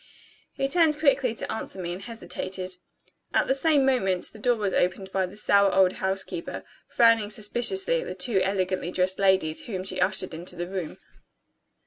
He turned quickly to answer me, and hesitated. At the same moment, the door was opened by the sour old housekeeper, frowning suspiciously at the two elegantly dressed ladies whom she ushered into the room.